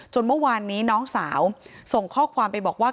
เมื่อวานนี้น้องสาวส่งข้อความไปบอกว่า